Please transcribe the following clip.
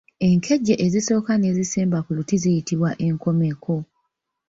Enkejje ezisooka n'ezisemba ku luti ziyitbwa enkomeko.